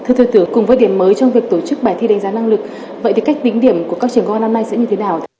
thưa thưa tướng cùng với điểm mới trong việc tổ chức bài thi đánh giá năng lực vậy thì cách tính điểm của các trường công an năm nay sẽ như thế nào